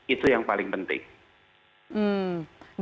itu yang paling penting